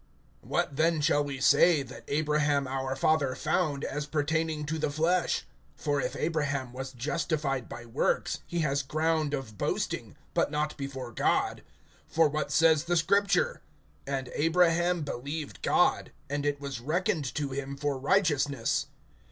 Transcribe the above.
WHAT then shall we say that Abraham our father found, as pertaining to the flesh? (2)For if Abraham was justified by works, he has ground of boasting; but not before God. (3)For what says the Scripture? And Abraham believed God, and it was reckoned to him for righteousness.